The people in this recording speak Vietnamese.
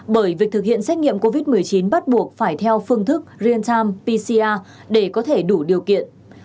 bởi việc thực hiện xét nghiệm covid một mươi chín bắt buộc phải theo phương thức real time pcr để có thể đủ điều kiện